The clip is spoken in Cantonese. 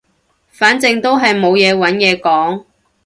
反正都係冇嘢揾嘢講